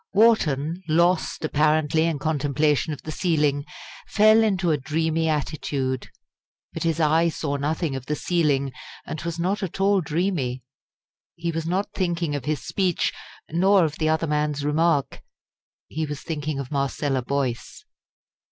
Wharton, lost apparently in contemplation of the ceiling, fell into a dreamy attitude. But his eye saw nothing of the ceiling, and was not at all dreamy. He was not thinking of his speech, nor of the other man's remark. He was thinking of Marcella Boyce.